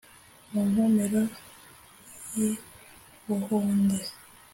mu nkomero y’i buhunde